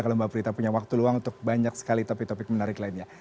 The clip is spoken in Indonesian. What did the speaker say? kalau mbak prita punya waktu luang untuk banyak sekali topik topik menarik lainnya